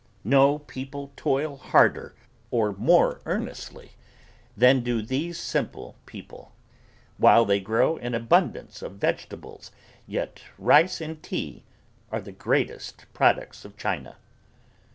No people toil harder or more earnestly than do these simple people. While they grow an abundance of vegetables, yet rice and tea are the greatest products of China.